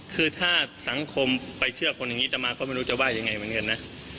คือถ้าสังคมไปเชื่อคนอย่างนี้ต่อมาก็ไม่รู้จะว่ายังไงเหมือนกันนะ